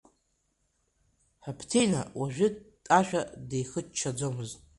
Хаԥҭина уажәы Ташәа дихыччаӡомызт.